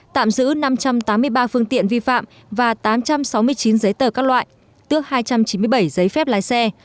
tạm giữ năm trăm tám mươi ba phương tiện vi phạm và tám trăm sáu mươi chín giấy tờ các loại tước hai trăm chín mươi bảy giấy phép lái xe